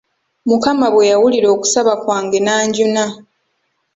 Mukama bwe yawulira okusaba kwange n'anjuna.